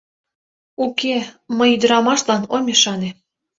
Уке, мый ӱдырамашлан ом ӱшане.